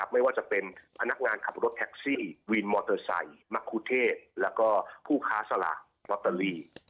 ไม่ว่าจะเป็นพนักงานขับรถแท็กซี่วินมอเตอร์ไซค์มะคุเทศแล้วก็ผู้ค้าสลากลอตเตอรี่